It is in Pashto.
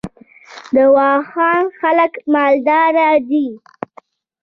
د واخان خلک مالدار دي